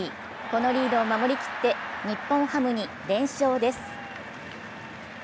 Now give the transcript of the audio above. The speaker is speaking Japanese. このリードを守りきって日本ハムに連勝です。